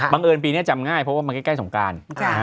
เอิญปีนี้จำง่ายเพราะว่ามันใกล้สงการ